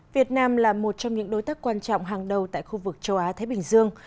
việt nam là một trong những đối tác quan trọng hàng đầu tại khu vực châu á thái bình dương